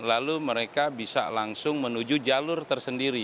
lalu mereka bisa langsung menuju jalur tersendiri